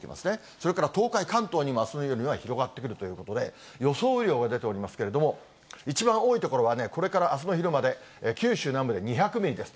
それから東海、関東にもあすの夜には広がってくるということで、予想雨量が出ておりますけれども、一番多い所はこれからあすの昼まで、九州南部で２００ミリです。